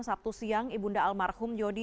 sabtu siang ibu da'al marhum yodi